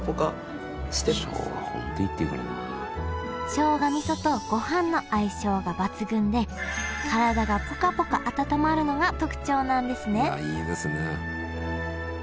しょうがみそとごはんの相性が抜群で体がぽかぽか温まるのが特徴なんですねいいですね。